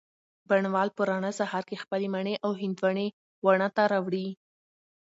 بڼ وال په رڼه سهار کي خپلې مڼې او هندواڼې واڼه ته راوړې